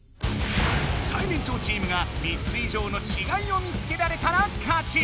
最年長チームが３ついじょうのちがいを見つけられたら勝ち！